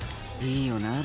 いいよなあ